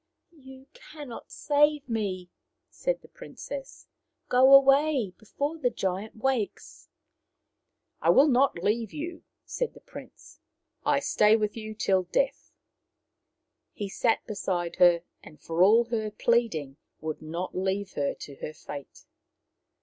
" You cannot save me," said the princess. " Go away before the giant wakes." " I will not leave you," said the prince. " I stay with you till death." He sat beside her, and for all her pleading would not leave her to her fate.